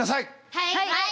はい！